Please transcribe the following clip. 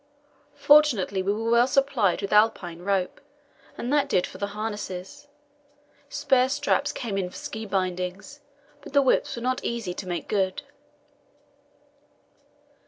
Fortunately we were well supplied with Alpine rope, and that did for the harness; spare straps came in for ski bindings, but the whips were not so easy to make good.